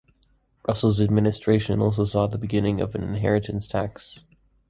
Russell's administration also saw the beginning of an inheritance tax.